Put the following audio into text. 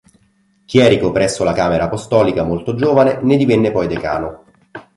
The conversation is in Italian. Chierico presso la Camera Apostolica molto giovane, ne divenne poi decano.